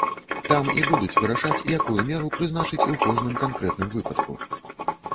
Там і будуць вырашаць, якую меру прызначыць у кожным канкрэтным выпадку.